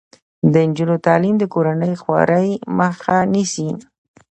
د نجونو تعلیم د کورنۍ خوارۍ مخه نیسي.